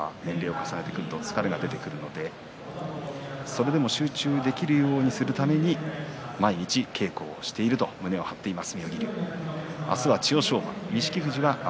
十日目くらいから年齢を重ねてくると疲れが出てくるのでそれでも集中できるようにするために毎日稽古をしていると胸を張っています